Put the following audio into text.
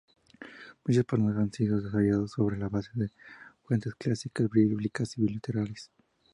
Muchos personajes han sido desarrollados sobre la base de fuentes clásicas, bíblicas y literarias.